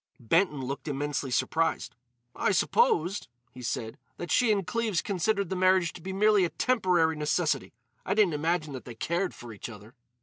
Benton looked immensely surprised. "I supposed," he said, "that she and Cleves considered the marriage to be merely a temporary necessity. I didn't imagine that they cared for each other."